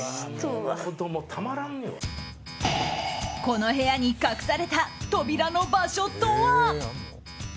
この部屋に隠された扉の場所とは。